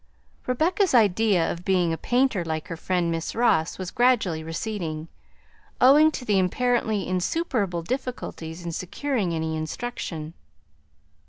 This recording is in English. Rebecca's idea of being a painter like her friend Miss Ross was gradually receding, owing to the apparently insuperable difficulties in securing any instruction.